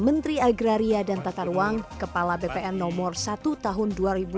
menteri agraria dan tata ruang kepala bpn nomor satu tahun dua ribu dua puluh